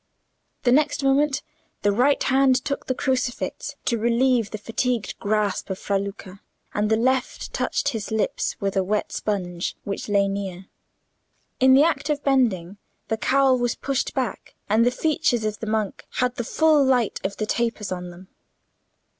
The next moment the right hand took the crucifix to relieve the fatigued grasp of Fra Luca, and the left touched his lips with a wet sponge which lay near. In the act of bending, the cowl was pushed back, and the features of the monk had the full light of the tapers on them.